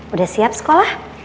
udah siap sekolah